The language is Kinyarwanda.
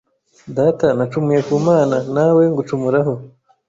‘data, nacumuye ku Mana, nawe ngucumuraho